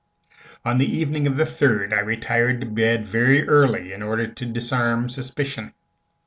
On the evening of the 3d I retired to bed very early, in order to disarm suspicion.